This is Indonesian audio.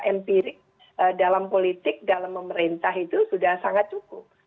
empirik dalam politik dalam memerintah itu sudah sangat cukup